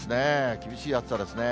厳しい暑さですね。